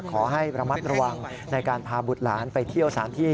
ขอให้ระมัดระวังในการพาบุตรหลานไปเที่ยวสารที่